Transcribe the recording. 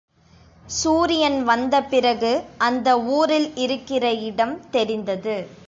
சூரியன் வந்த பிறகு அந்த ஊரில் இருக்கிற இடம் தெரிந்தது.